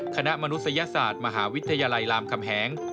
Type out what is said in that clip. มนุษยศาสตร์มหาวิทยาลัยรามคำแหง